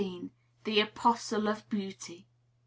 The Apostle of Beauty.